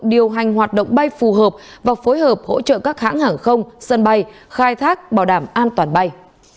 điều hành hoạt động bay phù hợp và phối hợp hỗ trợ các hãng hàng không sân bay khai thác bảo đảm an toàn bay